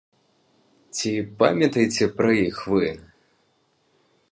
Ці памятаеце пра іх вы?